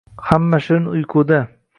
Hamma shirin uyquda